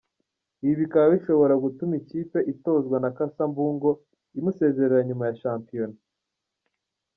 Ibi bikaba bishobora gutuma ikipe itozwa na Kassa Mbungo imusezerera nyuma ya shampiyona.